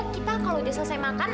kita kalau udah selesai makan